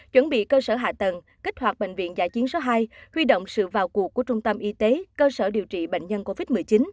chuẩn bị cơ sở hạ tầng kích hoạt bệnh viện dạ chiến số hai huy động sự vào cuộc của trung tâm y tế cơ sở điều trị bệnh nhân covid một mươi chín